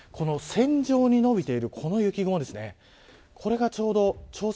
ポイントが線状に伸びているこの雪雲です。